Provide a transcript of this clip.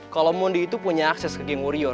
kalau mondi itu punya akses ke geng warrior